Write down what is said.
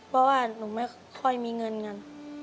เพราะว่าหนูไม่ค่อยมีเงินกัน